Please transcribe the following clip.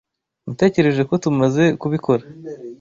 Natekereje ko tumaze kubikora.